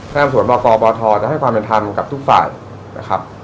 หน้าสวนบกบทจะให้ความเป็นธรรมกับทุกฝ่ายนะครับ